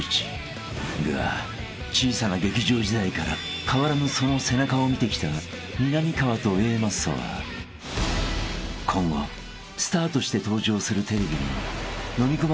［が小さな劇場時代から変わらぬその背中を見てきたみなみかわとＡマッソは今後スターとして登場するテレビに］